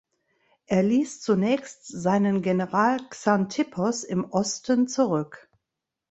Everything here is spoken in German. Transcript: Er ließ zunächst seinen General Xanthippos im Osten zurück.